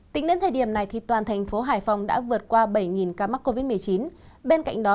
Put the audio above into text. tính đến thời điểm này toàn thành phố hải phòng đã vượt qua bảy ca mắc covid một mươi chín bên cạnh đó